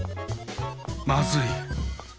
まずい！